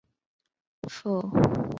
附近的大都市有考文垂和伯明翰。